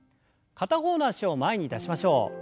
片方の脚を前に出しましょう。